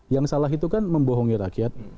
yang salah itu kan membohongi rakyat